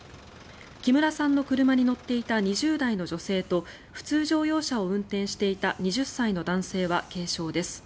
木村さんの車に乗っていた２０代の女性と普通乗用車を運転していた２０歳の男性は軽傷です。